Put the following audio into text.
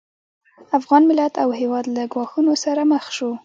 افغان ملت او هېواد له ګواښونو سره مخ شو